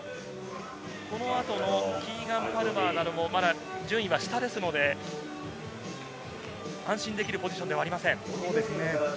この後のキーガン・パルマーなども順位は下ですので安心できるポジションではありません。